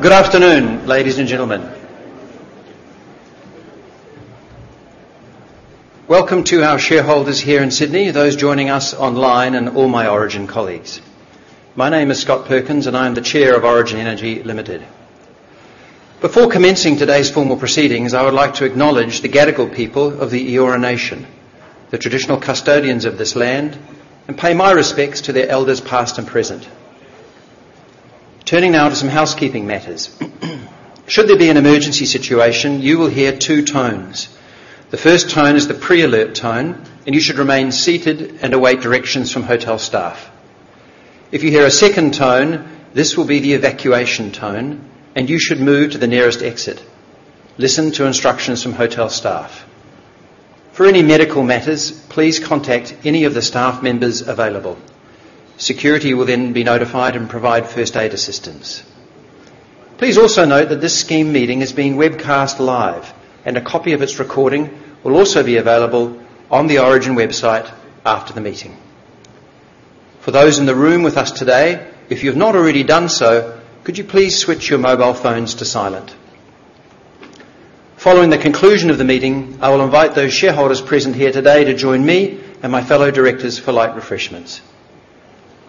Good afternoon, ladies and gentlemen. Welcome to our shareholders here in Sydney, those joining us online, and all my Origin colleagues. My name is Scott Perkins, and I am the Chair of Origin Energy Limited. Before commencing today's formal proceedings, I would like to acknowledge the Gadigal people of the Eora Nation, the traditional custodians of this land, and pay my respects to their elders, past and present. Turning now to some housekeeping matters. Should there be an emergency situation, you will hear two tones. The first tone is the pre-alert tone, and you should remain seated and await directions from hotel staff. If you hear a second tone, this will be the evacuation tone, and you should move to the nearest exit. Listen to instructions from hotel staff. For any medical matters, please contact any of the staff members available. Security will then be notified and provide first aid assistance. Please also note that this scheme meeting is being webcast live, and a copy of its recording will also be available on the Origin website after the meeting. For those in the room with us today, if you've not already done so, could you please switch your mobile phones to silent? Following the conclusion of the meeting, I will invite those shareholders present here today to join me and my fellow directors for light refreshments.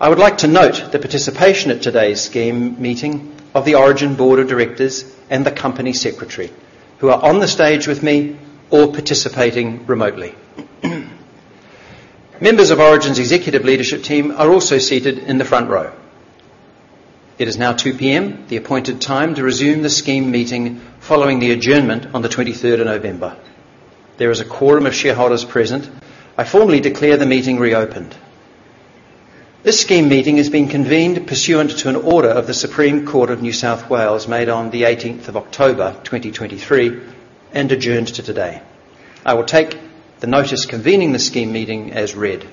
I would like to note the participation at today's scheme meeting of the Origin Board of Directors and the Company Secretary, who are on the stage with me or participating remotely. Members of Origin's executive leadership team are also seated in the front row. It is now 2:00 P.M., the appointed time to resume the scheme meeting following the adjournment on the 23rd of November. There is a quorum of shareholders present. I formally declare the meeting reopened. This scheme meeting has been convened pursuant to an order of the Supreme Court of New South Wales, made on the 18th of October, 2023, and adjourned to today. I will take the notice convening the scheme meeting as read.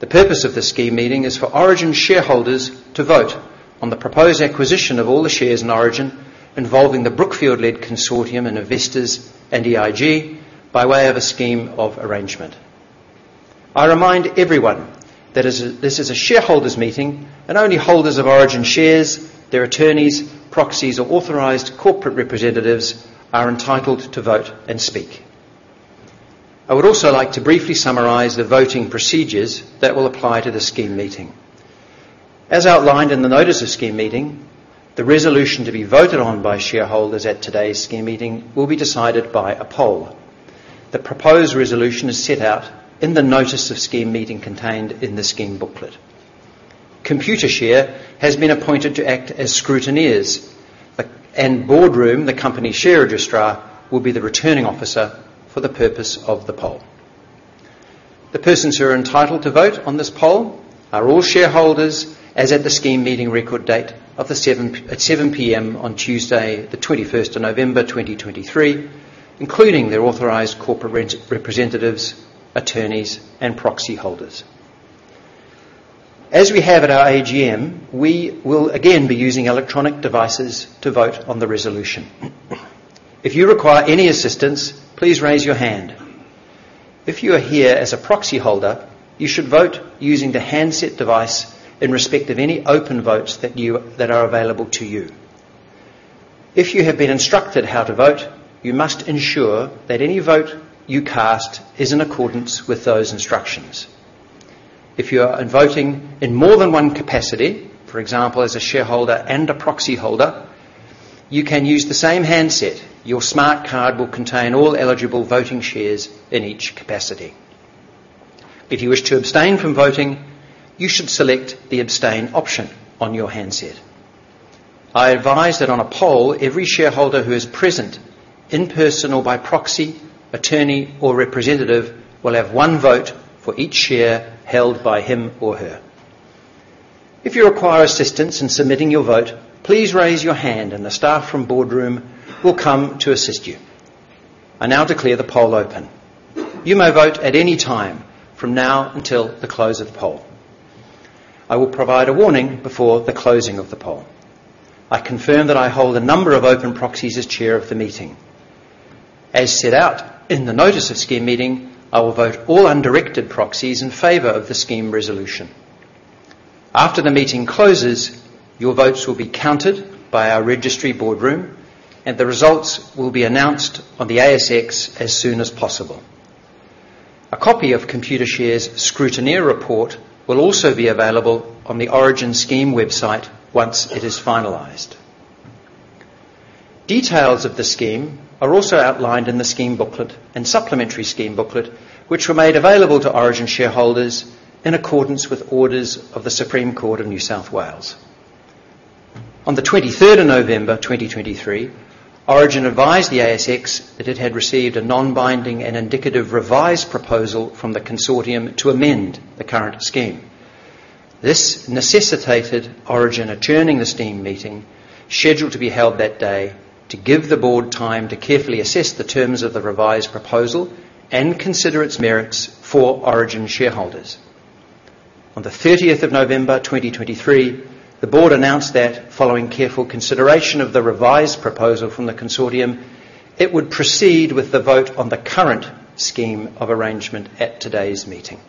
The purpose of this scheme meeting is for Origin shareholders to vote on the proposed acquisition of all the shares in Origin, involving the Brookfield-led consortium and investors, and EIG, by way of a scheme of arrangement. I remind everyone that this is a shareholders' meeting, and only holders of Origin shares, their attorneys, proxies, or authorized corporate representatives are entitled to vote and speak. I would also like to briefly summarize the voting procedures that will apply to the scheme meeting. As outlined in the Notice of Scheme meeting, the resolution to be voted on by shareholders at today's scheme meeting will be decided by a poll. The proposed resolution is set out in the Notice of Scheme meeting contained in the Scheme Booklet. Computershare has been appointed to act as scrutineers, and Boardroom, the company share registrar, will be the returning officer for the purpose of the poll. The persons who are entitled to vote on this poll are all shareholders, as at the scheme meeting record date of 7 P.M. on Tuesday, the 21st of November, 2023, including their authorized corporate representatives, attorneys, and proxy holders. As we have at our AGM, we will again be using electronic devices to vote on the resolution. If you require any assistance, please raise your hand. If you are here as a proxy holder, you should vote using the handset device in respect of any open votes that are available to you. If you have been instructed how to vote, you must ensure that any vote you cast is in accordance with those instructions. If you are voting in more than one capacity, for example, as a shareholder and a proxy holder, you can use the same handset. Your smart card will contain all eligible voting shares in each capacity. If you wish to abstain from voting, you should select the Abstain option on your handset. I advise that on a poll, every shareholder who is present, in person or by proxy, attorney, or representative, will have one vote for each share held by him or her. If you require assistance in submitting your vote, please raise your hand, and the staff from Boardroom will come to assist you. I now declare the poll open. You may vote at any time from now until the close of the poll. I will provide a warning before the closing of the poll. I confirm that I hold a number of open proxies as chair of the meeting. As set out in the Notice of Scheme meeting, I will vote all undirected proxies in favor of the scheme resolution. After the meeting closes, your votes will be counted by our registry Boardroom, and the results will be announced on the ASX as soon as possible. A copy of Computershare's scrutineer report will also be available on the Origin Scheme website once it is finalized. Details of the scheme are also outlined in the Scheme Booklet and Supplementary Scheme Booklet, which were made available to Origin shareholders in accordance with orders of the Supreme Court of New South Wales. On November 23, 2023, Origin advised the ASX that it had received a non-binding and indicative revised proposal from the consortium to amend the current scheme. This necessitated Origin adjourning the scheme meeting, scheduled to be held that day, to give the board time to carefully assess the terms of the revised proposal and consider its merits for Origin shareholders. On the 30th of November, 2023, the board announced that following careful consideration of the revised proposal from the consortium, it would proceed with the vote on the current scheme of arrangement at today's meeting.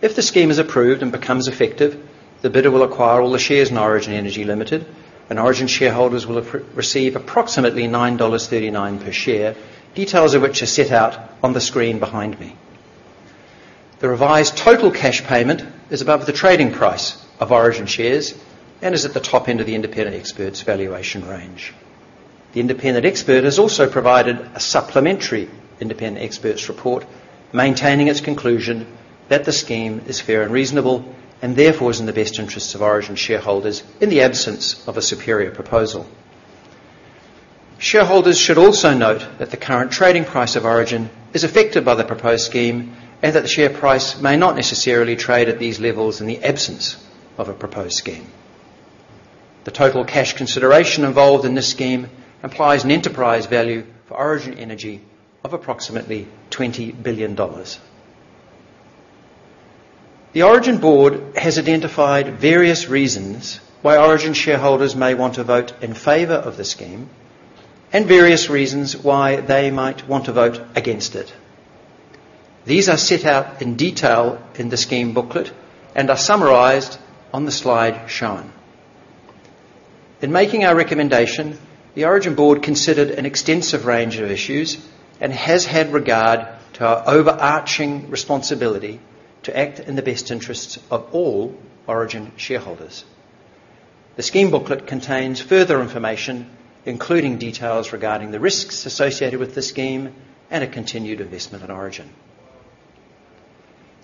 If the scheme is approved and becomes effective, the bidder will acquire all the shares in Origin Energy Limited, and Origin shareholders will receive approximately 9.39 dollars per share, details of which are set out on the screen behind me. The revised total cash payment is above the trading price of Origin shares and is at the top end of the independent expert's valuation range. The independent expert has also provided a supplementary independent expert's report, maintaining its conclusion that the scheme is fair and reasonable, and therefore is in the best interests of Origin shareholders in the absence of a superior proposal. Shareholders should also note that the current trading price of Origin is affected by the proposed scheme, and that the share price may not necessarily trade at these levels in the absence of a proposed scheme. The total cash consideration involved in this scheme implies an enterprise value for Origin Energy of approximately 20 billion dollars. The Origin board has identified various reasons why Origin shareholders may want to vote in favor of the scheme and various reasons why they might want to vote against it. These are set out in detail in the Scheme Booklet and are summarized on the slide shown. In making our recommendation, the Origin board considered an extensive range of issues and has had regard to our overarching responsibility to act in the best interests of all Origin shareholders. The Scheme Booklet contains further information, including details regarding the risks associated with the scheme and a continued investment in Origin.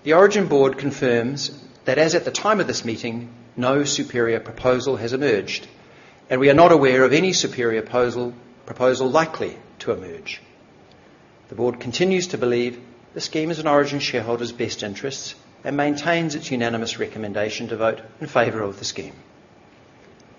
The Origin board confirms that, as at the time of this meeting, no superior proposal has emerged, and we are not aware of any superior proposal, proposal likely to emerge. The board continues to believe the scheme is in Origin shareholders' best interests and maintains its unanimous recommendation to vote in favor of the scheme.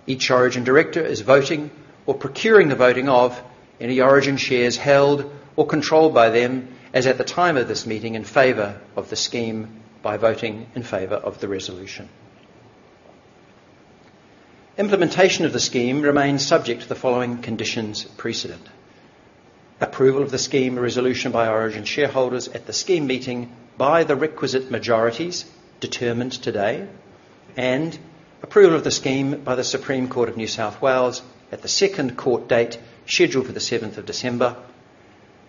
Each Origin director is voting or procuring the voting of any Origin shares held or controlled by them, as at the time of this meeting, in favor of the scheme by voting in favor of the resolution. Implementation of the scheme remains subject to the following conditions precedent: approval of the scheme resolution by Origin shareholders at the scheme meeting by the requisite majorities determined today, and approval of the scheme by the Supreme Court of New South Wales at the second court date, scheduled for the seventh of December.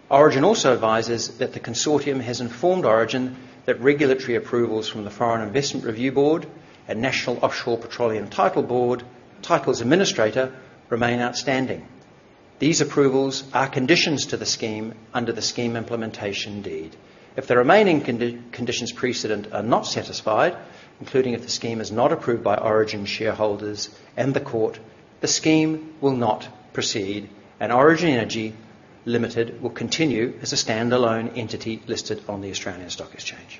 Origin also advises that the consortium has informed Origin that regulatory approvals from the Foreign Investment Review Board and National Offshore Petroleum Titles Administrator remain outstanding. These approvals are conditions to the scheme under the Scheme Implementation Deed. If the remaining conditions precedent are not satisfied, including if the scheme is not approved by Origin shareholders and the court, the scheme will not proceed, and Origin Energy Limited will continue as a standalone entity listed on the Australian Securities Exchange.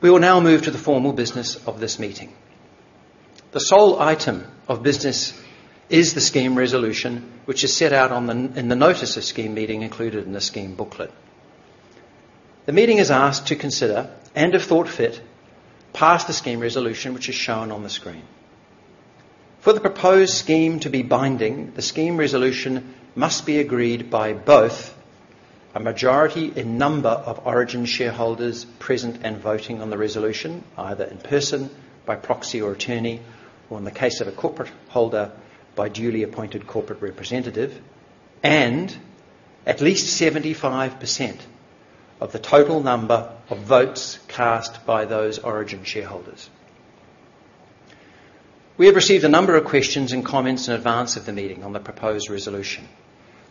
We will now move to the formal business of this meeting. The sole item of business is the scheme resolution, which is set out on the... in the Notice of Scheme Meeting included in the Scheme Booklet. The meeting is asked to consider, and if thought fit, pass the scheme resolution, which is shown on the screen. For the proposed scheme to be binding, the scheme resolution must be agreed by both a majority in number of Origin shareholders present and voting on the resolution, either in person, by proxy or attorney, or in the case of a corporate holder, by duly appointed corporate representative, and at least 75% of the total number of votes cast by those Origin shareholders. We have received a number of questions and comments in advance of the meeting on the proposed resolution.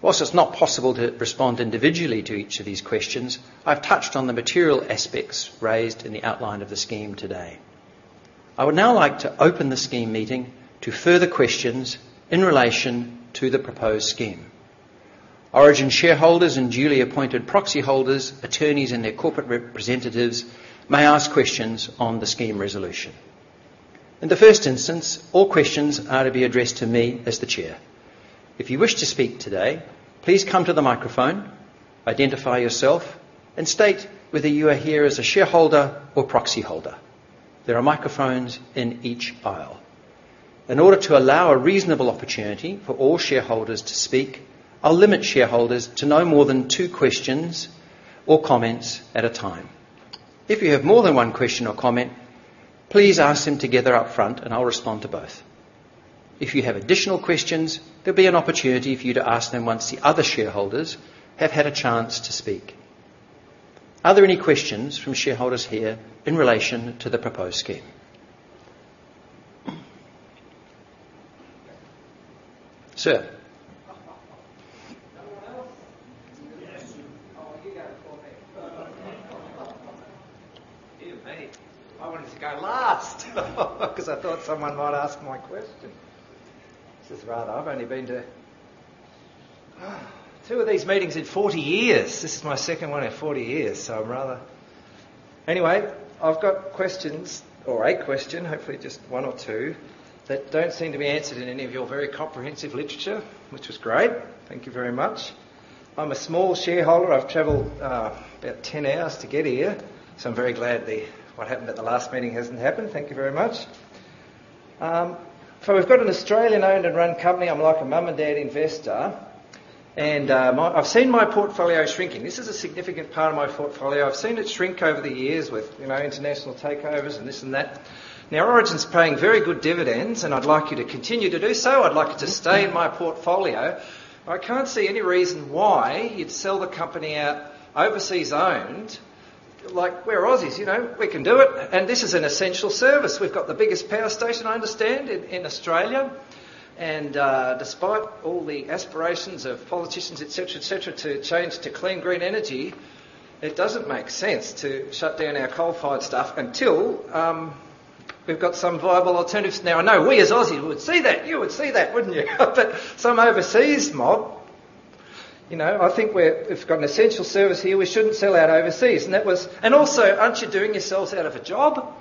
While it's not possible to respond individually to each of these questions, I've touched on the material aspects raised in the outline of the scheme today. I would now like to open the scheme meeting to further questions in relation to the proposed scheme. Origin shareholders and duly appointed proxy holders, attorneys, and their corporate representatives may ask questions on the scheme resolution. In the first instance, all questions are to be addressed to me as the chair. If you wish to speak today, please come to the microphone, identify yourself, and state whether you are here as a shareholder or proxy holder. There are microphones in each aisle. In order to allow a reasonable opportunity for all shareholders to speak, I'll limit shareholders to no more than two questions or comments at a time. If you have more than one question or comment, please ask them together upfront, and I'll respond to both. If you have additional questions, there'll be an opportunity for you to ask them once the other shareholders have had a chance to speak. Are there any questions from shareholders here in relation to the proposed scheme? Sir. Oh, you go before me. Dear me, I wanted to go last 'cause I thought someone might ask my question. This is rather... I've only been to two of these meetings in 40 years. This is my second one in 40 years, so I'm rather... Anyway, I've got questions or a question, hopefully just one or two, that don't seem to be answered in any of your very comprehensive literature, which was great. Thank you very much. I'm a small shareholder. I've traveled about 10 hours to get here, so I'm very glad the, what happened at the last meeting hasn't happened. Thank you very much. So we've got an Australian-owned and run company. I'm like a mum and dad investor, and I've seen my portfolio shrinking. This is a significant part of my portfolio. I've seen it shrink over the years with, you know, international takeovers and this and that. Now, Origin's paying very good dividends, and I'd like you to continue to do so. I'd like it to stay in my portfolio. I can't see any reason why you'd sell the company out, overseas-owned. Like, we're Aussies, you know, we can do it, and this is an essential service. We've got the biggest power station, I understand, in, in Australia, and, despite all the aspirations of politicians, et cetera, et cetera, to change to clean, green energy, it doesn't make sense to shut down our coal-fired stuff until we've got some viable alternatives. Now, I know we, as Aussies, would see that. You would see that, wouldn't you? But some overseas mob, you know, I think we're-- we've got an essential service here. We shouldn't sell out overseas, and that was... And also, aren't you doing yourselves out of a job?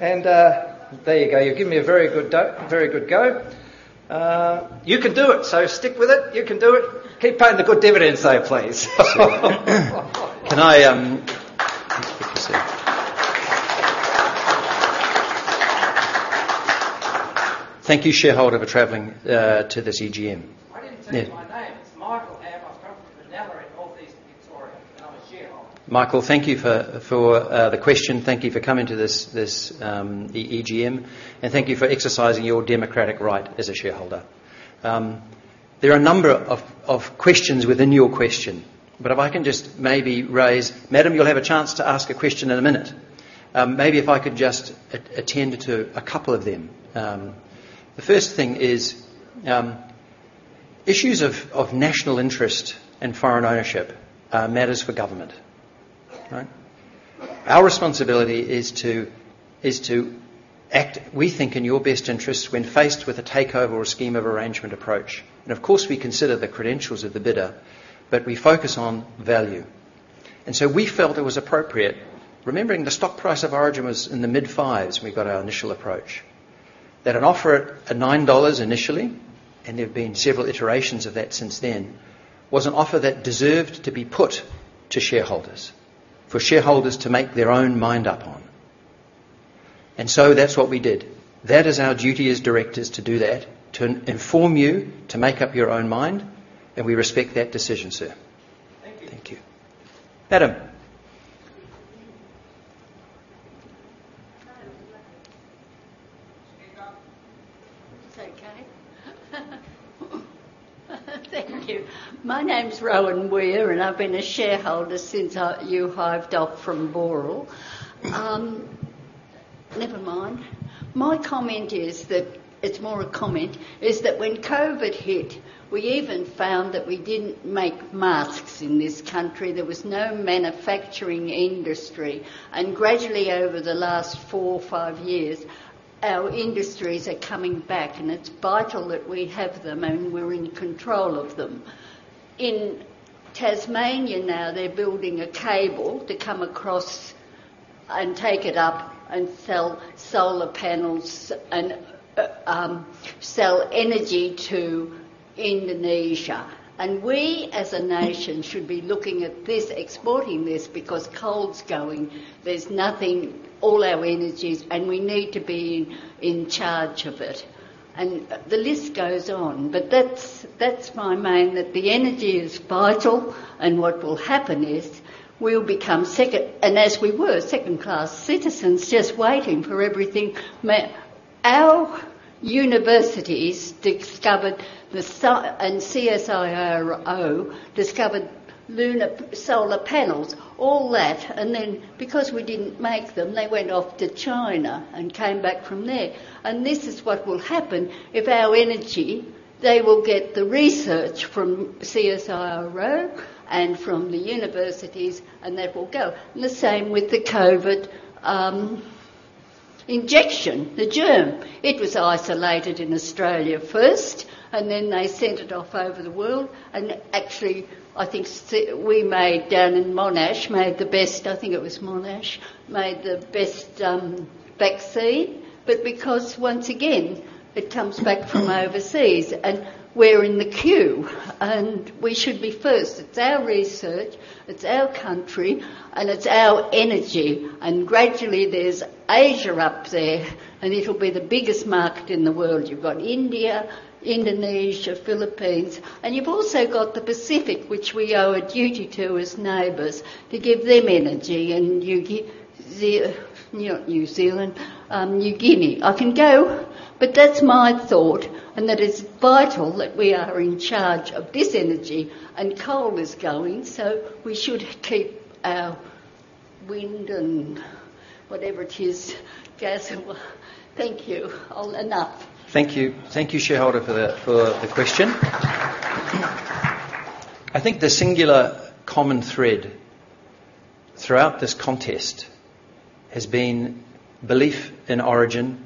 And, there you go. You've given me a very good go. You can do it, so stick with it. You can do it. Keep paying the good dividends, though, please. Thank you, shareholder, for traveling to this AGM. Michael, thank you for the question. Thank you for coming to this the AGM, and thank you for exercising your democratic right as a shareholder. There are a number of questions within your question, but if I can just maybe raise— Madam, you'll have a chance to ask a question in a minute. Maybe if I could just attend to a couple of them. The first thing is, issues of national interest and foreign ownership are matters for government, right? Our responsibility is to act, we think, in your best interests when faced with a takeover or scheme of arrangement approach. And, of course, we consider the credentials of the bidder, but we focus on value. And so we felt it was appropriate, remembering the stock price of Origin was in the mid-5s when we got our initial approach, that an offer at 9 dollars initially, and there have been several iterations of that since then, was an offer that deserved to be put to shareholders, for shareholders to make their own mind up on. And so that's what we did. That is our duty as directors to do that, to inform you, to make up your own mind, and we respect that decision, sir. Thank you. Thank you. Madam?... It's okay. Thank you. My name's Rowan Weir, and I've been a shareholder since you hived off from Boral. Never mind. My comment is that, it's more a comment, is that when COVID hit, we even found that we didn't make masks in this country. There was no manufacturing industry, and gradually, over the last four or five years, our industries are coming back, and it's vital that we have them, and we're in control of them. In Tasmania now, they're building a cable to come across and take it up and sell solar panels and sell energy to Indonesia. And we, as a nation, should be looking at this, exporting this, because coal's going. There's nothing, all our energies, and we need to be in charge of it. The list goes on, but that's my main, that the energy is vital, and what will happen is we'll become second, and as we were, second-class citizens, just waiting for everything. Our universities discovered the solar and CSIRO discovered solar panels, all that, and then, because we didn't make them, they went off to China and came back from there. And this is what will happen if our energy... They will get the research from CSIRO and from the universities, and they will go. And the same with the COVID injection, the germ. It was isolated in Australia first, and then they sent it off over the world, and actually, I think we made, down in Monash, made the best... I think it was Monash, made the best vaccine. But because, once again, it comes back from overseas, and we're in the queue, and we should be first. It's our research, it's our country, and it's our energy, and gradually, there's Asia up there, and it'll be the biggest market in the world. You've got India, Indonesia, Philippines, and you've also got the Pacific, which we owe a duty to as neighbors, to give them energy. And you know New Zealand, New Guinea. I can go, but that's my thought, and that it's vital that we are in charge of this energy, and coal is going, so we should keep our wind and whatever it is, gas. Thank you. All, enough. Thank you. Thank you, shareholder, for the, for the question. I think the singular common thread throughout this contest has been belief in Origin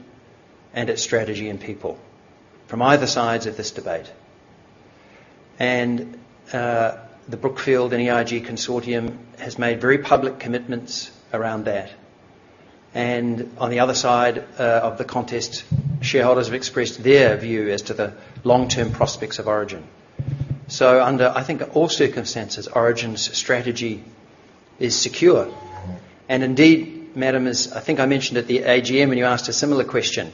and its strategy and people from either sides of this debate... and, the Brookfield and EIG consortium has made very public commitments around that. And on the other side, of the contest, shareholders have expressed their view as to the long-term prospects of Origin. So under, I think, all circumstances, Origin's strategy is secure, and indeed, madam, as I think I mentioned at the AGM, and you asked a similar question,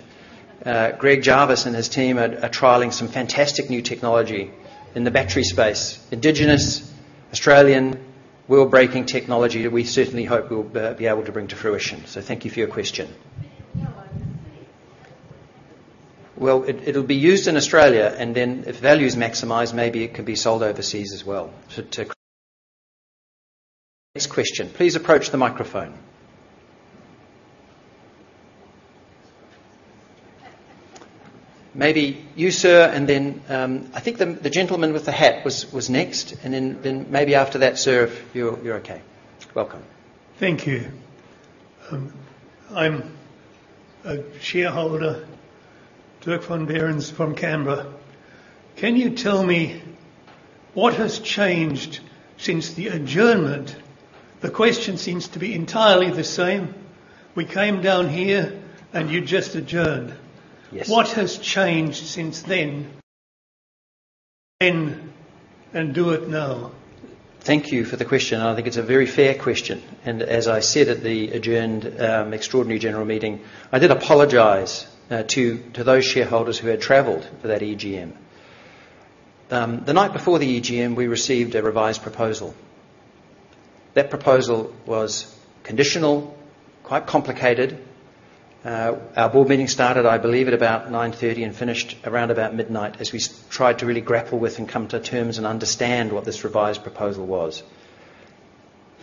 Greg Jarvis and his team are, are trialing some fantastic new technology in the battery space. Indigenous Australian world-breaking technology that we certainly hope we'll, be able to bring to fruition. So thank you for your question. Well, it'll be used in Australia, and then if value is maximized, maybe it could be sold overseas as well. So next question. Please approach the microphone. Maybe you, sir, and then, I think the gentleman with the hat was next, and then maybe after that, sir, if you're okay. Welcome. Thank you. I'm a shareholder, Dirk von Behrens from Canberra. Can you tell me what has changed since the adjournment? The question seems to be entirely the same. We came down here, and you just adjourned. Yes. What has changed since then? Then, and do it now. Thank you for the question. I think it's a very fair question, and as I said at the adjourned extraordinary general meeting, I did apologize to those shareholders who had traveled for that AGM. The night before the AGM, we received a revised proposal. That proposal was conditional, quite complicated. Our board meeting started, I believe, at about 9:30 A.M. and finished around about midnight as we tried to really grapple with and come to terms and understand what this revised proposal was.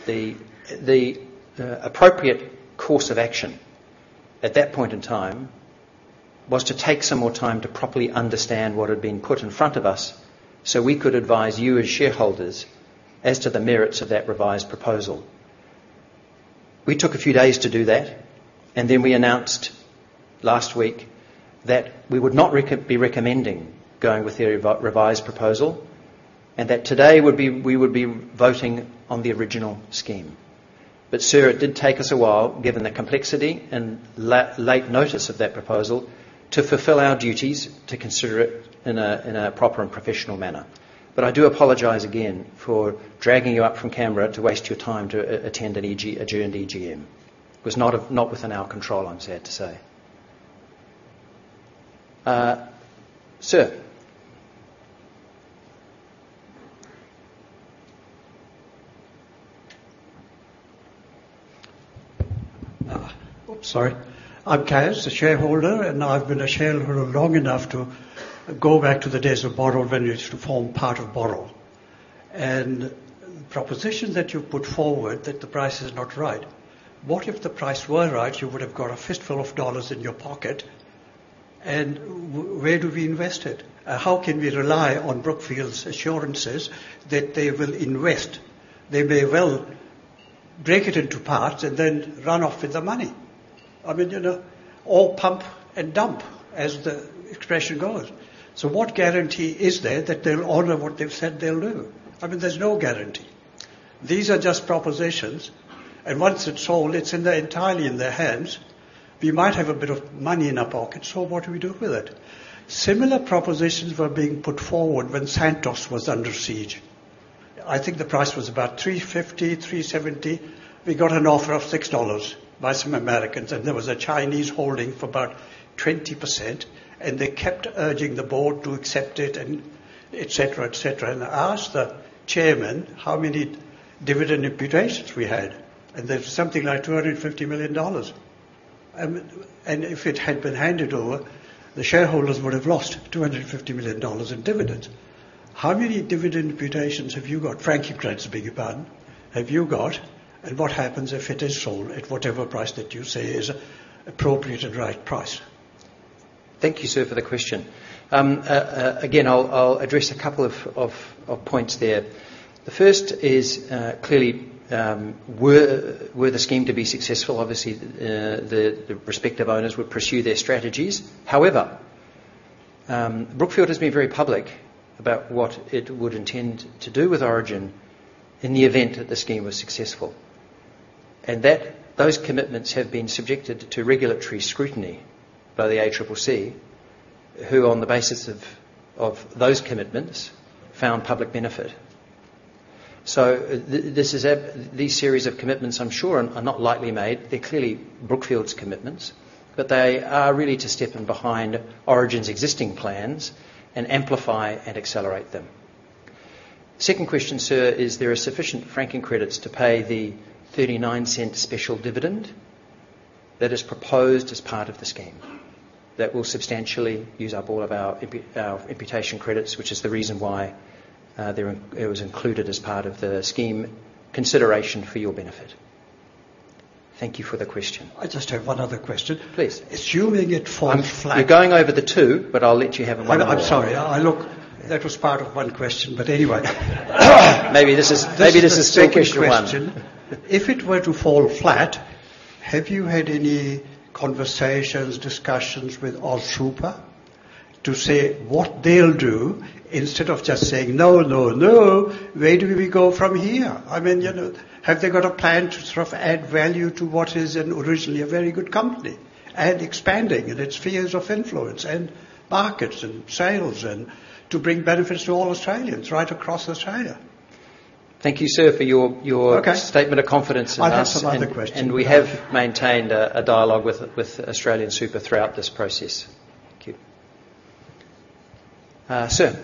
The appropriate course of action at that point in time was to take some more time to properly understand what had been put in front of us, so we could advise you, as shareholders, as to the merits of that revised proposal. We took a few days to do that, and then we announced last week that we would not be recommending going with the revised proposal, and that today would be, we would be voting on the original scheme. But, sir, it did take us a while, given the complexity and late notice of that proposal, to fulfill our duties to consider it in a proper and professional manner. But I do apologize again for dragging you up from Canberra to waste your time to attend an adjourned AGM. It was not within our control, I'm sad to say. Sir? Ah. Oops, sorry. I'm Kaz, a shareholder, and I've been a shareholder long enough to go back to the days of Boral when it used to form part of Boral. And the proposition that you've put forward, that the price is not right, what if the price were right? You would have got a fistful of dollars in your pocket, and where do we invest it? How can we rely on Brookfield's assurances that they will invest? They may well break it into parts and then run off with the money. I mean, you know, or pump and dump, as the expression goes. So what guarantee is there that they'll honor what they've said they'll do? I mean, there's no guarantee. These are just propositions, and once it's sold, it's entirely in their hands. We might have a bit of money in our pocket, so what do we do with it? Similar propositions were being put forward when Santos was under siege. I think the price was about 3.50, 3.70. We got an offer of 6 dollars by some Americans, and there was a Chinese holding for about 20%, and they kept urging the board to accept it and et cetera, et cetera. And I asked the chairman how many dividend imputations we had, and there was something like 250 million dollars. And if it had been handed over, the shareholders would have lost 250 million dollars in dividends. How many dividend imputations have you got, franking credits, beg your pardon, have you got? And what happens if it is sold at whatever price that you say is appropriate and right price? Thank you, sir, for the question. Again, I'll address a couple of points there. The first is, clearly, were the scheme to be successful, obviously, the respective owners would pursue their strategies. However, Brookfield has been very public about what it would intend to do with Origin in the event that the scheme was successful, and that those commitments have been subjected to regulatory scrutiny by the ACCC, who, on the basis of those commitments, found public benefit. So these series of commitments, I'm sure, are not lightly made. They're clearly Brookfield's commitments, but they are really to step in behind Origin's existing plans and amplify and accelerate them. Second question, sir, is there are sufficient franking credits to pay the 0.39 special dividend that is proposed as part of the scheme? That will substantially use up all of our imputation credits, which is the reason why they were, it was included as part of the scheme consideration for your benefit. Thank you for the question. I just have one other question. Please. Assuming it falls flat- You're going over the two, but I'll let you have one more. I'm sorry. Look, that was part of one question, but anyway. Maybe this is, maybe this is still question one. Second question: If it were to fall flat have you had any conversations, discussions with AusSuper to say what they'll do instead of just saying, "No, no, no"? Where do we go from here? I mean, you know, have they got a plan to sort of add value to what is an originally a very good company, and expanding in its spheres of influence and markets and sales, and to bring benefits to all Australians right across Australia? Thank you, sir, for your Okay statement of confidence in us. I have some other questions. We have maintained a dialogue with AustralianSuper throughout this process. Thank you. Sir?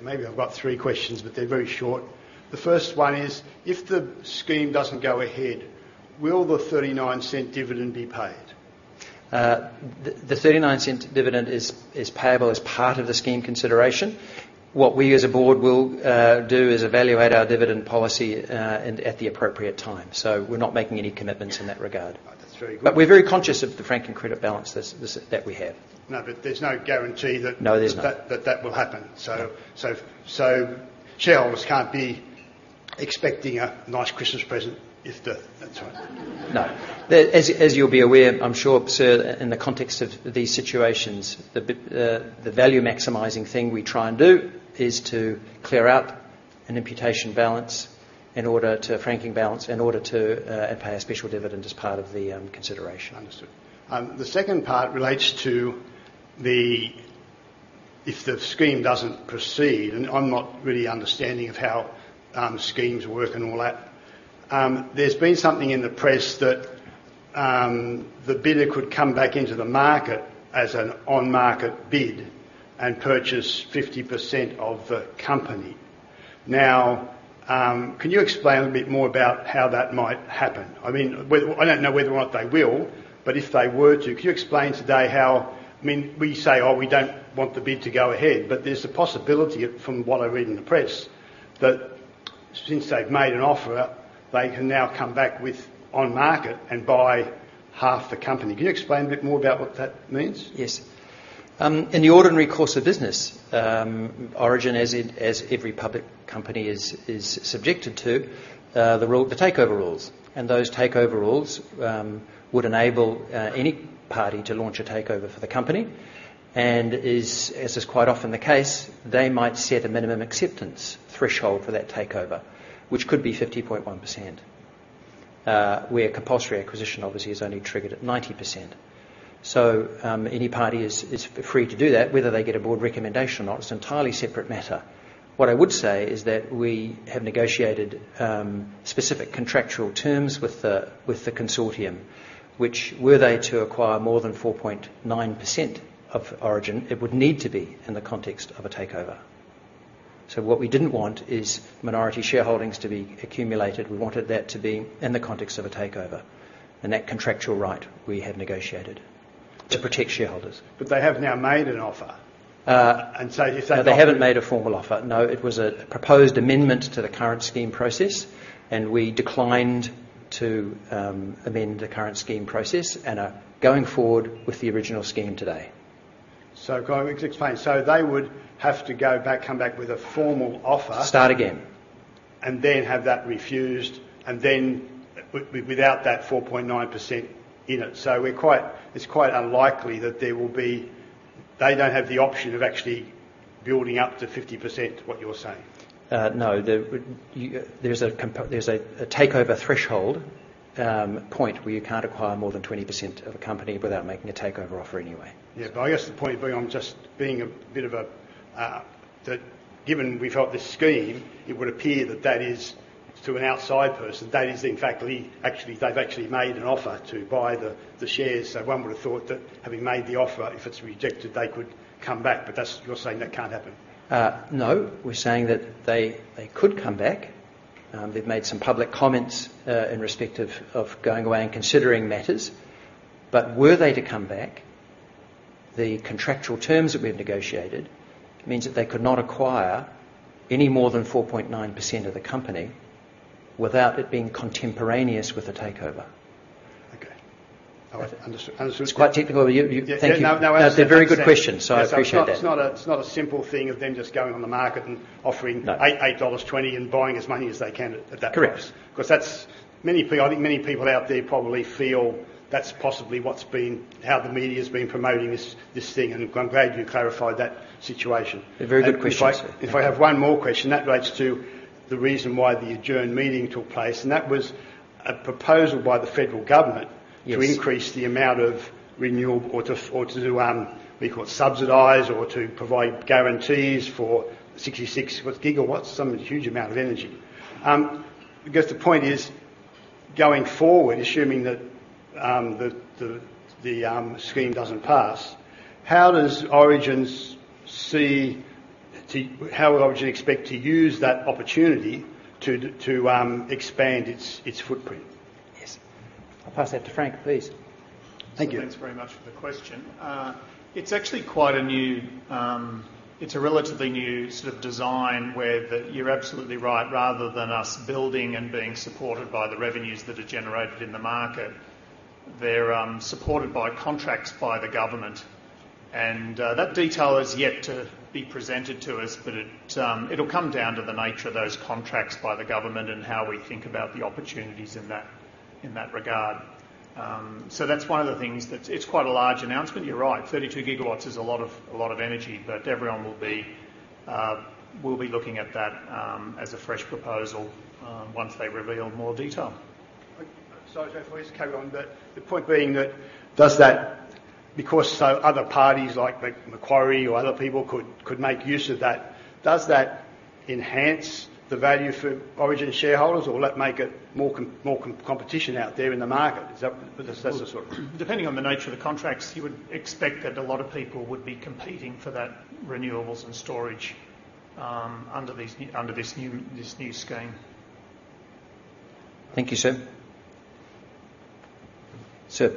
Maybe I've got three questions, but they're very short. The first one is: if the scheme doesn't go ahead, will the 0.39 dividend be paid? The 0.39 dividend is payable as part of the scheme consideration. What we as a board will do is evaluate our dividend policy at the appropriate time. We're not making any commitments in that regard. That's very good. But we're very conscious of the franking credit balance that we have. No, but there's no guarantee that- No, there's not.... that will happen. So, shareholders can't be expecting a nice Christmas present if the... That's right. No. As you'll be aware, I'm sure, sir, in the context of these situations, the value-maximizing thing we try and do is to clear out an imputation balance in order to a franking balance, in order to pay a special dividend as part of the consideration. Understood. The second part relates to the... If the scheme doesn't proceed, and I'm not really understanding of how schemes work and all that, there's been something in the press that the bidder could come back into the market as an on-market bid and purchase 50% of the company. Now, can you explain a bit more about how that might happen? I mean, I don't know whether or not they will, but if they were to, can you explain today how... I mean, we say, "Oh, we don't want the bid to go ahead," but there's a possibility, from what I read in the press, that since they've made an offer, they can now come back with on-market and buy half the company. Can you explain a bit more about what that means? Yes. In the ordinary course of business, Origin, as in, as every public company is, is subjected to, the rule, the takeover rules, and those takeover rules, would enable, any party to launch a takeover for the company, and is, as is quite often the case, they might set a minimum acceptance threshold for that takeover, which could be 50.1%, where compulsory acquisition obviously is only triggered at 90%. So, any party is, is free to do that, whether they get a board recommendation or not. It's an entirely separate matter. What I would say is that we have negotiated, specific contractual terms with the, with the consortium, which, were they to acquire more than 4.9% of Origin, it would need to be in the context of a takeover. What we didn't want is minority shareholdings to be accumulated. We wanted that to be in the context of a takeover, and that contractual right we have negotiated to protect shareholders. But they have now made an offer, and so if they- No, they haven't made a formal offer. No, it was a proposed amendment to the current scheme process, and we declined to amend the current scheme process and are going forward with the original scheme today. So can I just explain, so they would have to go back, come back with a formal offer- Start again. -and then have that refused, and then without that 4.9% in it. So we're quite... It's quite unlikely that there will be-- They don't have the option of actually building up to 50%, what you're saying? No. There's a takeover threshold, a point where you can't acquire more than 20% of a company without making a takeover offer anyway. Yeah, but I guess the point being, I'm just being a bit of a. That given we've got this scheme, it would appear that that is, to an outside person, that is, in fact, they've actually made an offer to buy the shares. So one would have thought that, having made the offer, if it's rejected, they could come back, but that's, you're saying that can't happen? No. We're saying that they could come back. They've made some public comments in respect of going away and considering matters, but were they to come back, the contractual terms that we've negotiated means that they could not acquire any more than 4.9% of the company without it being contemporaneous with a takeover. Okay. All right. Understood. Understood. It's quite typical of you, Yeah. No, no, I understand. They're very good questions, so I appreciate that. Yes, it's not a simple thing of them just going on the market and offering- No... 8.20 and buying as many as they can at that price. Correct. 'Cause that's, I think many people out there probably feel that's possibly what's been how the media's been promoting this thing, and I'm glad you clarified that situation. A very good question, sir. If I have one more question, that relates to the reason why the adjourned meeting took place, and that was a proposal by the federal government- Yes... to increase the amount of renewable, or to, we call it subsidize or to provide guarantees for 66 GW, some huge amount of energy. I guess the point is, going forward, assuming that the scheme doesn't pass, how does Origin's see—how would Origin expect to use that opportunity to expand its footprint? Yes. I'll pass that to Frank, please. Thank you. Thanks very much for the question. It's actually quite a new, it's a relatively new sort of design where the... You're absolutely right. Rather than us building and being supported by the revenues that are generated in the market-... they're supported by contracts by the government, and that detail is yet to be presented to us, but it, it'll come down to the nature of those contracts by the government and how we think about the opportunities in that, in that regard. So that's one of the things that... It's quite a large announcement, you're right. 32 GW is a lot of, a lot of energy, but everyone will be looking at that as a fresh proposal once they reveal more detail. Sorry, Frank, I'll just carry on. But the point being that does that, because so other parties like Macquarie or other people could make use of that, does that enhance the value for Origin shareholders, or will that make it more competition out there in the market? Is that the sort of- Depending on the nature of the contracts, you would expect that a lot of people would be competing for that renewables and storage under these new, under this new scheme. Thank you, sir. Sir?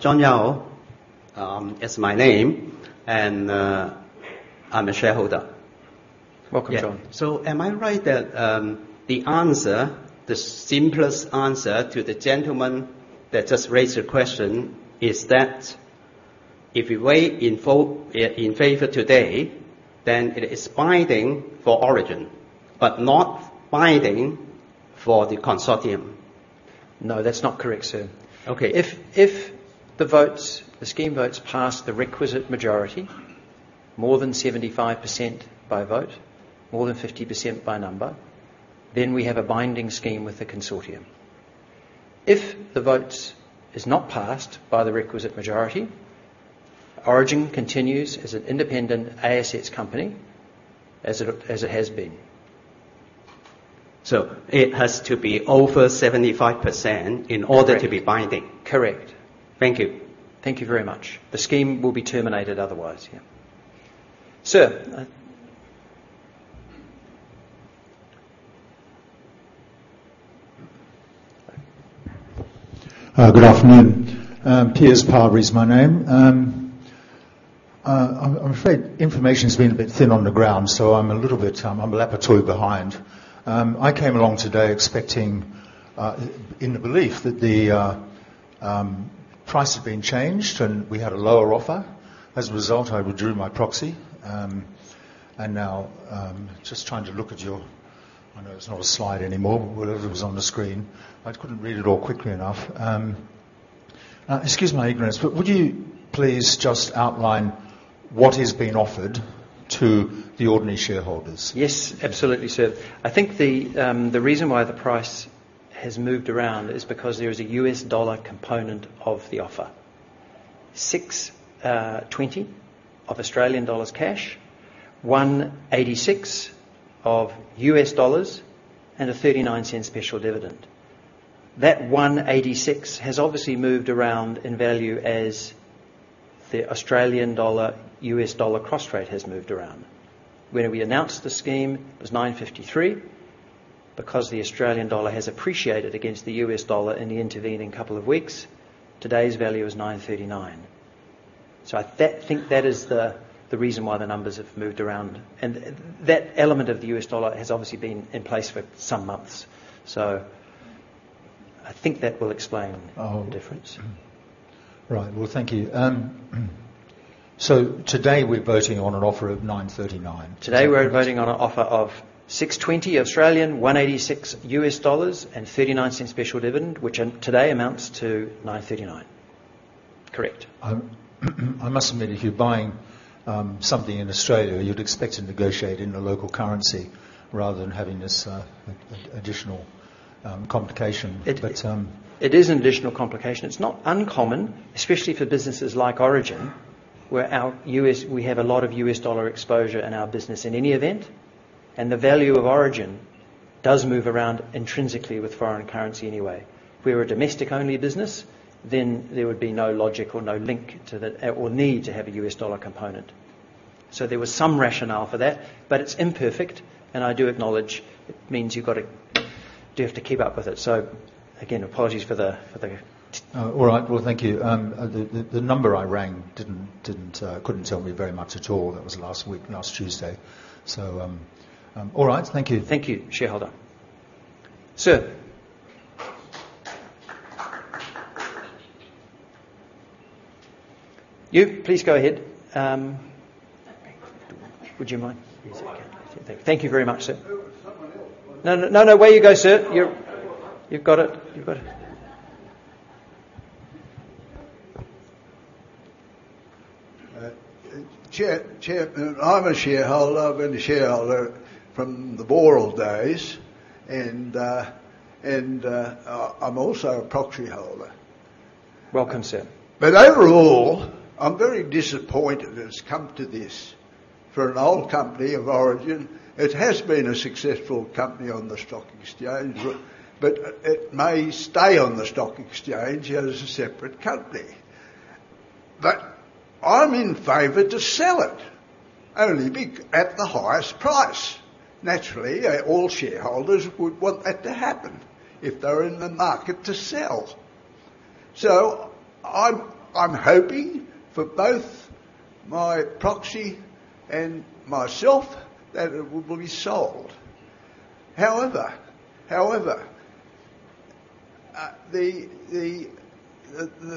John Yao is my name, and I'm a shareholder. Welcome, John. So am I right that, the answer, the simplest answer to the gentleman that just raised your question is that if you vote in favor today, then it is binding for Origin, but not binding for the consortium? No, that's not correct, sir. Okay. If the votes, the scheme votes pass the requisite majority, more than 75% by vote, more than 50% by number, then we have a binding scheme with the consortium. If the votes is not passed by the requisite majority, Origin continues as an independent assets company, as it has been. So it has to be over 75% in order to be binding? Correct. Thank you. Thank you very much. The scheme will be terminated otherwise, yeah. Sir... Good afternoon. Piers Parry is my name. I'm afraid information's been a bit thin on the ground, so I'm a little bit behind. I came along today expecting, in the belief that the price had been changed, and we had a lower offer. As a result, I withdrew my proxy. And now, just trying to look at your... I know it's not a slide anymore, but whatever was on the screen, I couldn't read it all quickly enough. Excuse my ignorance, but would you please just outline what is being offered to the ordinary shareholders? Yes, absolutely, sir. I think the reason why the price has moved around is because there is a U.S. dollar component of the offer. 6.20 Australian dollars cash, $1.86, and an 0.39 special dividend. That $1.86 has obviously moved around in value as the Australian dollar, U.S. dollar cross rate has moved around. When we announced the scheme, it was 9.53. Because the Australian dollar has appreciated against the U.S. dollar in the intervening couple of weeks, today's value is 9.39. So I think that is the reason why the numbers have moved around, and that element of the U.S. dollar has obviously been in place for some months. So I think that will explain- Uh-huh. -the difference. Right. Well, thank you. So today, we're voting on an offer of 9.39? Today, we're voting on an offer of 6.20, $1.86, and 0.39 special dividend, which today amounts to 9.39. Correct. I must admit, if you're buying something in Australia, you'd expect to negotiate in the local currency rather than having this additional complication. It- But, um- It is an additional complication. It's not uncommon, especially for businesses like Origin, where our U.S.... We have a lot of U.S. dollar exposure in our business in any event, and the value of Origin does move around intrinsically with foreign currency anyway. If we were a domestic-only business, then there would be no logic or no link to the... or need to have a U.S. dollar component. So there was some rationale for that, but it's imperfect, and I do acknowledge it means you've got to, you have to keep up with it. So again, apologies for the, for the- All right. Well, thank you. The number I rang couldn't tell me very much at all. That was last week, last Tuesday. So, all right. Thank you. Thank you, shareholder. Sir? You, please go ahead. Would you mind? Yes, I can. Thank you very much, sir. No, no, no, no. Way to go, sir. You're- You've got it. You've got it. Chair, Chairman, I'm a shareholder. I've been a shareholder from the Boral days, and I'm also a proxy holder. Welcome, sir. But overall, I'm very disappointed that it's come to this. For an old company of Origin, it has been a successful company on the stock exchange, but it may stay on the stock exchange as a separate company. But I'm in favor to sell it, only at the highest price. Naturally, all shareholders would want that to happen if they're in the market to sell. So I'm hoping for both my proxy and myself that it will be sold. However, the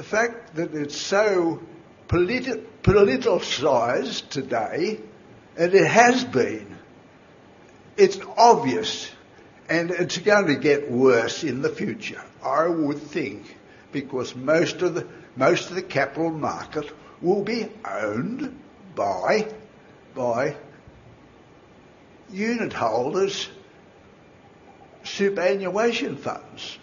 fact that it's so politicized today, and it has been, it's obvious, and it's going to get worse in the future, I would think, because most of the capital market will be owned by unit holders, superannuation funds,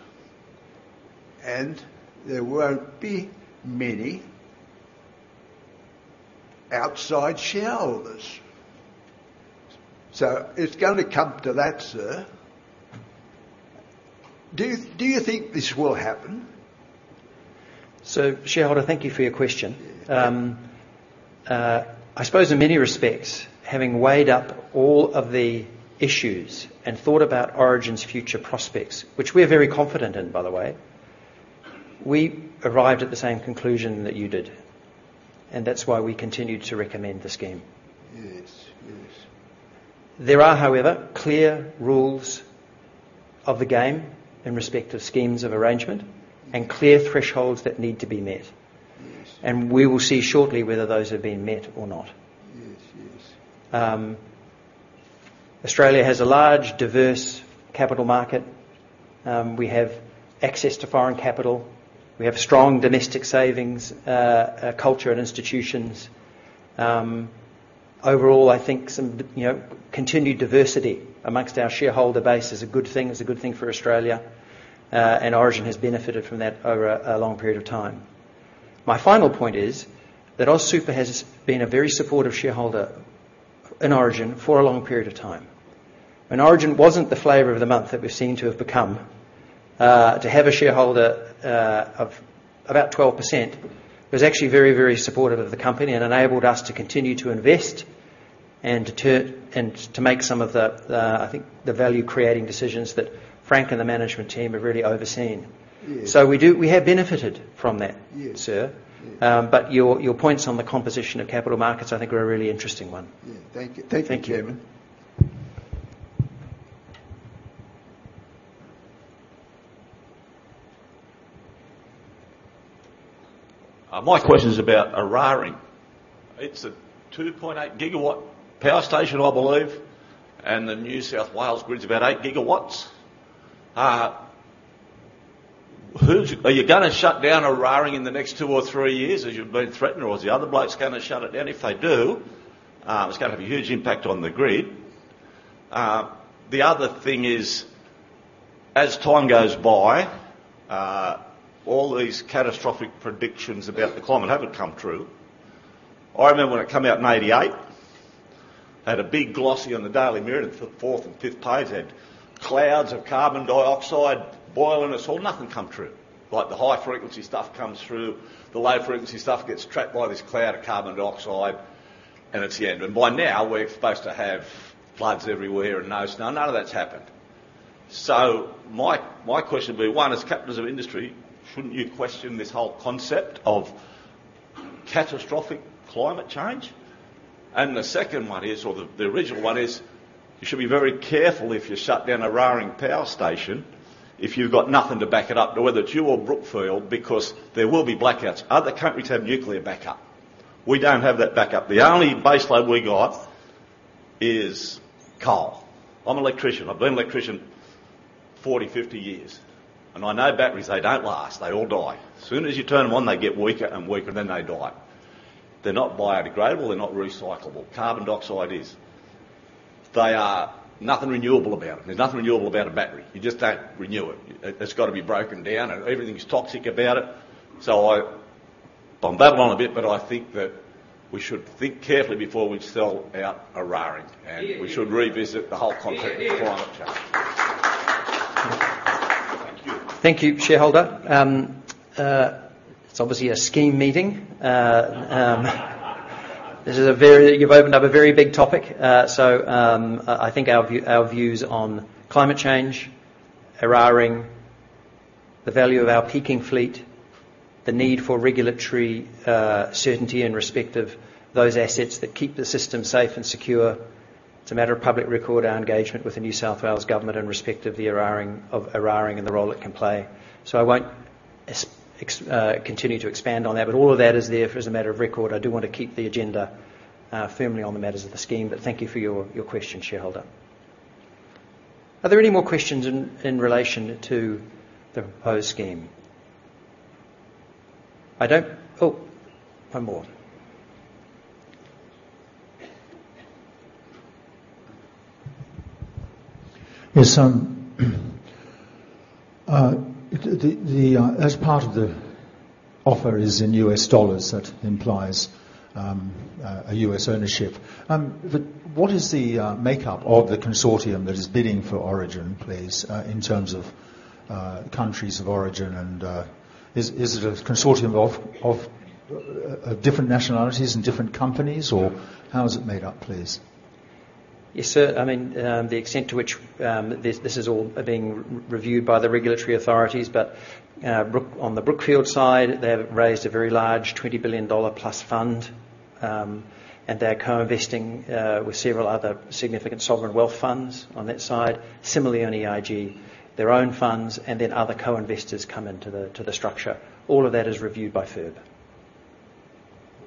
and there won't be many outside shareholders. So it's gonna come to that, sir. Do you think this will happen? Shareholder, thank you for your question. I suppose in many respects, having weighed up all of the issues and thought about Origin's future prospects, which we are very confident in, by the way, we arrived at the same conclusion that you did, and that's why we continue to recommend the scheme. Yes. Yes. There are, however, clear rules of the game in respect to schemes of arrangement and clear thresholds that need to be met. We will see shortly whether those have been met or not. Yes. Yes. Australia has a large, diverse capital market. We have access to foreign capital. We have strong domestic savings, culture and institutions. Overall, I think some, you know, continued diversity among our shareholder base is a good thing. It's a good thing for Australia, and Origin has benefited from that over a long period of time. My final point is that AusSuper has been a very supportive shareholder in Origin for a long period of time. When Origin wasn't the flavor of the month that we've seen to have become, to have a shareholder of about 12% was actually very, very supportive of the company and enabled us to continue to invest and to make some of the, the, I think, the value-creating decisions that Frank and the management team have really overseen. Yes. We have benefited from that. Yes. -sir. Yes. But your points on the composition of capital markets I think are a really interesting one. Yeah. Thank you. Thank you. My question is about Eraring. It's a 2.8 GW power station, I believe, and the New South Wales grid's about 8 GW. Who's... Are you gonna shut down Eraring in the next two or three years, as you've been threatening, or are the other blokes gonna shut it down? If they do, it's gonna have a huge impact on the grid. The other thing is, as time goes by, all these catastrophic predictions about the climate haven't come true. I remember when it come out in 1988, had a big glossy on the Daily Mirror, the fourth and fifth page had clouds of carbon dioxide boiling us all. Nothing come true. Like the high-frequency stuff comes through, the low-frequency stuff gets trapped by this cloud of carbon dioxide, and it's the end. By now, we're supposed to have floods everywhere and no, so none of that's happened. So my, my question would be, one, as captains of industry, shouldn't you question this whole concept of catastrophic climate change? And the second one is, or the, the original one is, you should be very careful if you shut down Eraring Power Station, if you've got nothing to back it up, now whether it's you or Brookfield, because there will be blackouts. Other countries have nuclear backup. We don't have that backup. The only baseload we got is coal. I'm an electrician. I've been an electrician 40, 50 years, and I know batteries, they don't last. They all die. As soon as you turn them on, they get weaker and weaker, and then they die. They're not biodegradable. They're not recyclable. Carbon dioxide is. They are... nothing renewable about them. There's nothing renewable about a battery. You just don't renew it. It, it's gotta be broken down, and everything's toxic about it. So I rambled on a bit, but I think that we should think carefully before we sell out Eraring and we should revisit the whole concept of climate change. Thank you. Thank you, shareholder. It's obviously a scheme meeting. This is a very... You've opened up a very big topic. I think our view, our views on climate change, Eraring, the value of our peaking fleet, the need for regulatory certainty in respect of those assets that keep the system safe and secure. It's a matter of public record, our engagement with the New South Wales government in respect of the Eraring, of Eraring and the role it can play. So I won't continue to expand on that, but all of that is there as a matter of record. I do want to keep the agenda firmly on the matters of the scheme, but thank you for your question, shareholder. Are there any more questions in relation to the proposed scheme? Oh, one more. Yes, as part of the offer is in U.S. dollars. That implies a U.S. ownership. What is the makeup of the consortium that is bidding for Origin, please, in terms of countries of origin and is it a consortium of different nationalities and different companies, or how is it made up, please? ... Yes, sir. I mean, the extent to which this is all being reviewed by the regulatory authorities, but on the Brookfield side, they have raised a very large $20 billion+ fund. And they're co-investing with several other significant sovereign wealth funds on that side. Similarly, on EIG, their own funds, and then other co-investors come into the structure. All of that is reviewed by FIRB.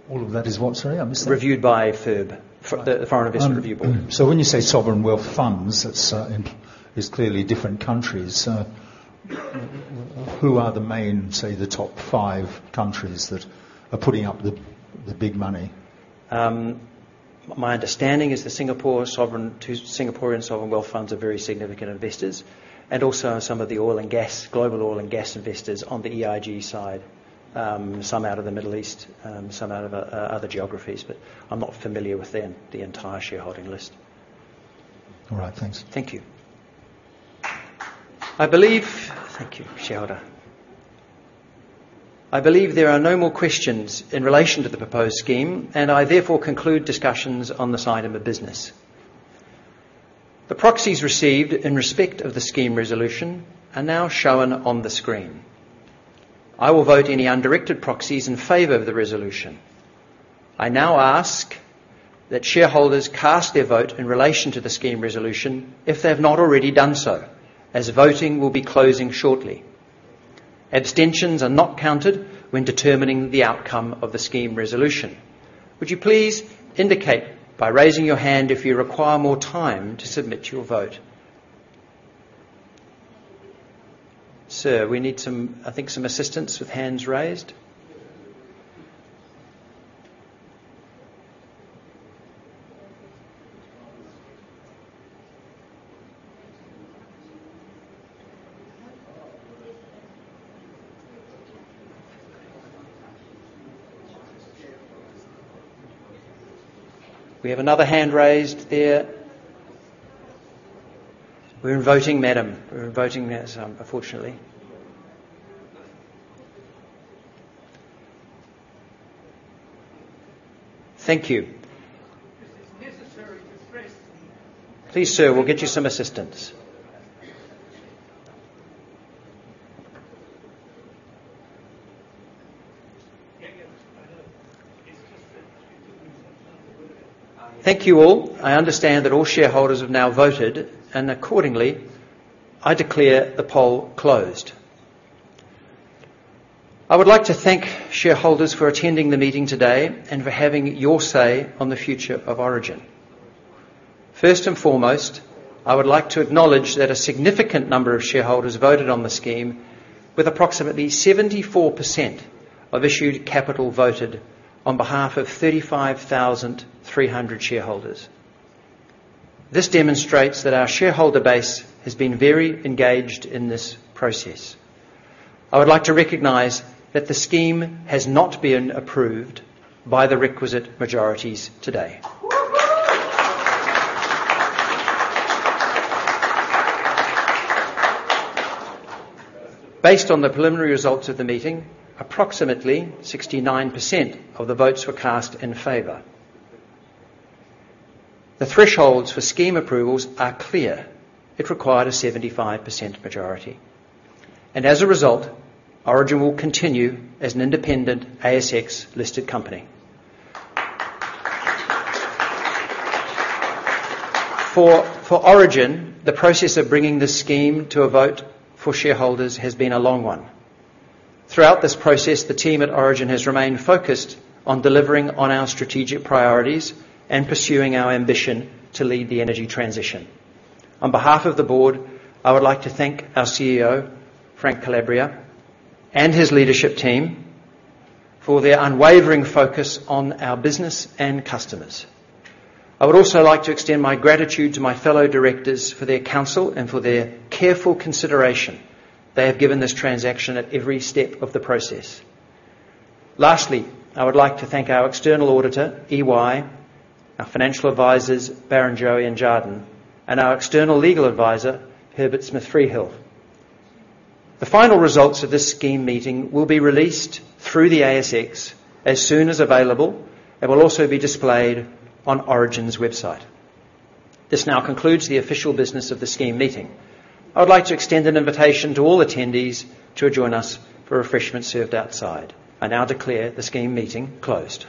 All of that is what, sorry? I missed that. Reviewed by FIRB, the Foreign Investment Review Board. So when you say sovereign wealth funds, that's in different countries. Who are the main, say, the top five countries that are putting up the big money? My understanding is the Singapore sovereign—two Singaporean sovereign wealth funds are very significant investors, and also some of the oil and gas, global oil and gas investors on the EIG side. Some out of the Middle East, some out of other geographies, but I'm not familiar with the entire shareholding list. All right, thanks. Thank you. I believe... Thank you, shareholder. I believe there are no more questions in relation to the proposed scheme, and I therefore conclude discussions on this item of business. The proxies received in respect of the scheme resolution are now shown on the screen. I will vote any undirected proxies in favor of the resolution. I now ask that shareholders cast their vote in relation to the scheme resolution if they have not already done so, as voting will be closing shortly. Abstentions are not counted when determining the outcome of the scheme resolution. Would you please indicate by raising your hand if you require more time to submit your vote? Sir, we need some, I think, some assistance with hands raised. We have another hand raised there. We're in voting, madam. We're in voting, yes, unfortunately. Thank you. Please, sir, we'll get you some assistance. Thank you, all. I understand that all shareholders have now voted, and accordingly, I declare the poll closed. I would like to thank shareholders for attending the meeting today and for having your say on the future of Origin. First and foremost, I would like to acknowledge that a significant number of shareholders voted on the scheme, with approximately 74% of issued capital voted on behalf of 35,300 shareholders. This demonstrates that our shareholder base has been very engaged in this process. I would like to recognize that the scheme has not been approved by the requisite majorities today. Based on the preliminary results of the meeting, approximately 69% of the votes were cast in favor. The thresholds for scheme approvals are clear. It required a 75% majority, and as a result, Origin will continue as an independent ASX-listed company. For Origin, the process of bringing this scheme to a vote for shareholders has been a long one. Throughout this process, the team at Origin has remained focused on delivering on our strategic priorities and pursuing our ambition to lead the energy transition. On behalf of the board, I would like to thank our CEO, Frank Calabria, and his leadership team for their unwavering focus on our business and customers. I would also like to extend my gratitude to my fellow directors for their counsel and for their careful consideration they have given this transaction at every step of the process. Lastly, I would like to thank our external auditor, EY, our financial advisors, Barrenjoey and Jarden, and our external legal advisor, Herbert Smith Freehills. The final results of this scheme meeting will be released through the ASX as soon as available, and will also be displayed on Origin's website. This now concludes the official business of the scheme meeting. I would like to extend an invitation to all attendees to join us for refreshments served outside. I now declare the scheme meeting closed.